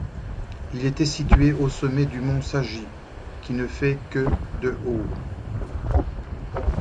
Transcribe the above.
Il était situé au sommet du mont Sagi, qui ne fait que de haut.